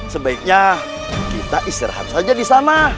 sebaiknya kita istirahat saja di sana